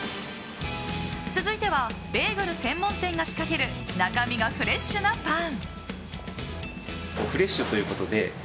続いてはベーグル専門店が仕掛ける中身がフレッシュなパン。